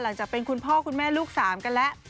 หลังจากเป็นคุณพ่อคุณแม่ลูกสามกันแล้ว